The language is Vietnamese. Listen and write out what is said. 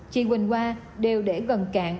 chị quỳnh hoa đều để gần cạn